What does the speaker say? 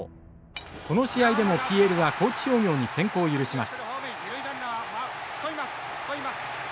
この試合でもＰＬは高知商業に先行を許します。